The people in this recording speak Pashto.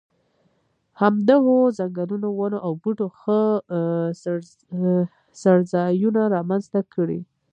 همدغو ځنګلونو ونو او بوټو ښه څړځایونه را منځته کړي.